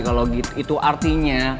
kalo gitu artinya